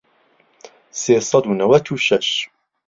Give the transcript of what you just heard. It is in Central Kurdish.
سێ سەد و نەوەت و شەش